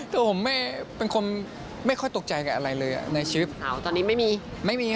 แต่ผมเป็นคนไม่ค่อยตกใจกับอะไรเลยในชีวิต